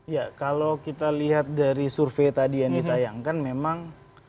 ya kalau kita lihat dari survei tadi yang ditayangkan memang